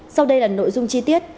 sau đây là nội dung chi tiết